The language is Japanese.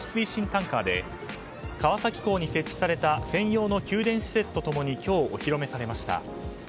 タンカーで川崎港に設置された専用の給電施設と共に今日、お披露目されました。